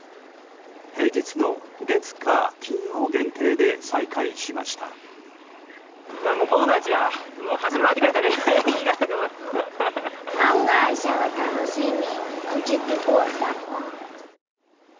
平日の月、火、金曜限定で再開しました。